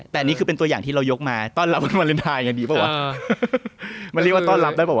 แต่นี่เป็นตัวอย่างที่เรายกมาตอนรับวันวาเลียนไทยอย่างดีปะ